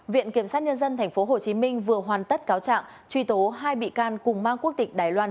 viện kiểm sát nhân dân tp hcm vừa hoàn tất cáo trạng truy tố hai bị can cùng mang quốc tịch đài loan